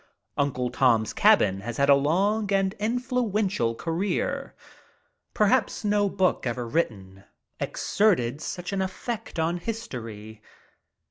"Uncle Tom's Cabin" has had a long and influential career. Perhaps no book ever written exerted such an effect on history.